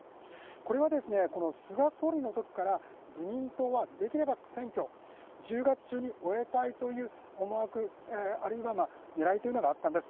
これは、菅総理のときから自民党はできれば選挙、１０月中に終えたいという思惑あるいは狙いがあったんです。